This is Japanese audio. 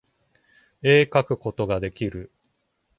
絵描くことができる